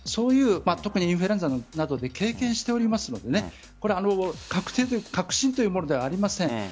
特にインフルエンザなどで経験しておりますのでこれは確信というものではありません。